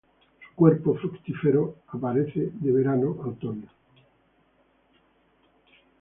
Su cuerpo fructífero aparece de verano a otoño.